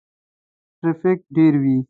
سهار ترافیک ډیر وی